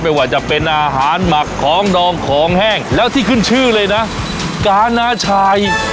ไม่ว่าจะเป็นอาหารหมักของดองของแห้งแล้วที่ขึ้นชื่อเลยนะกานาชัย